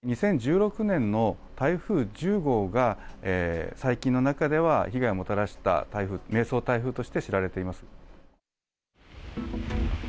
２０１６年の台風１０号が、最近の中では被害をもたらした台風、迷走台風として知られています。